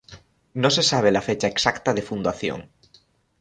No se sabe la fecha exacta de fundación.